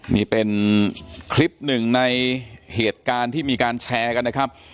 นี่เป็นคลิปหนึ่งในเหตุการณ์ที่มีการแชร์กันนะครับ